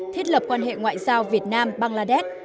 thiết lập quan hệ ngoại giao việt nam bangladesh